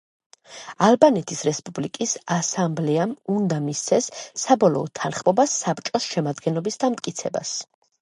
ალბანეთის რესპუბლიკის ასამბლეამ უნდა მისცეს საბოლოო თანხმობა საბჭოს შემადგენლობის დამტკიცებას.